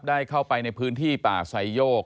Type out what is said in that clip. ได้เข้าไปในพื้นที่ป่าไซโยก